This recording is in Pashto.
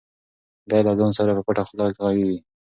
دی له ځان سره په پټه خوله غږېږي.